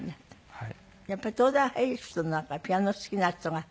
はい。